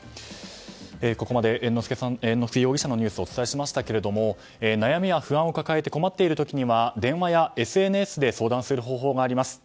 ここまで猿之助容疑者のニュースをお伝えしましたが悩みや不安を抱えて困っている時には電話やＳＮＳで相談する方法があります。